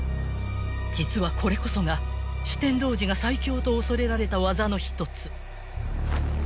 ［実はこれこそが酒呑童子が最強と恐れられた技の一つ］